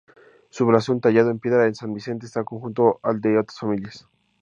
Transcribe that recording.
Su blasón tallado en piedra en San Vicente está junto al de otras familias.